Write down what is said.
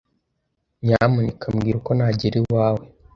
Nyamuneka mbwira uko nagera iwawe.